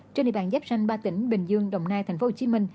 trên địa bàn dắp xanh ba tỉnh bình dương đồng nai tp hcm